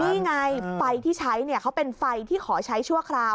นี่ไงไฟที่ใช้เนี่ยเขาเป็นไฟที่ขอใช้ชั่วคราว